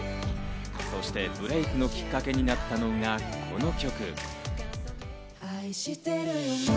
そして、ブレイクのきっかけになったのが、この曲。